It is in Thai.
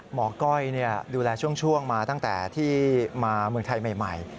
ก้อยดูแลช่วงมาตั้งแต่ที่มาเมืองไทยใหม่